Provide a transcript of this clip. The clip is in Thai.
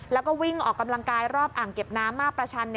แล้วก็วิ่งออกกำลังกายรอบอ่างเก็บน้ำมาประชัน